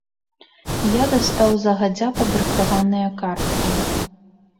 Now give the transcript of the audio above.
Я дастаў загадзя падрыхтаваныя карткі.